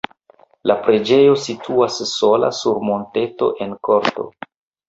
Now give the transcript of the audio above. La preĝejo situas sola sur monteto en korto.